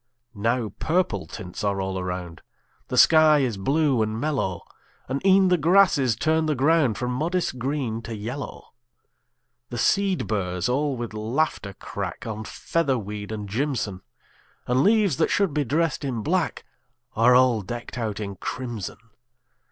Now purple tints are all around; The sky is blue and mellow; And e'en the grasses turn the ground From modest green to yellow. The seed burrs all with laughter crack On featherweed and jimson; And leaves that should be dressed in black Are all decked out in crimson.